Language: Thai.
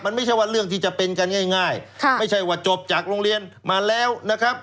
มันไม่ใช่ว่าเรื่องที่จะเป็นกันง่ายไม่ใช่ว่าจบจากโรงเรียนมาแล้วนะครับ